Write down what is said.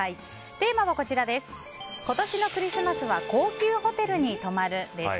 テーマは今年のクリスマスは高級ホテルに泊まるです。